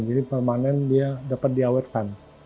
jadi permanen dia dapat diawetkan